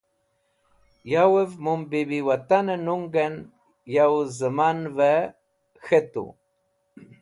yow'ev mum bibi watan nung'en yow zeman've k̃hetu